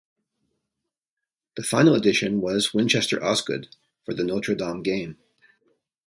The final addition was Winchester Osgood for the Notre Dame game.